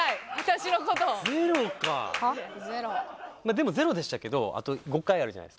でも０でしたけどあと５回あるじゃないですか。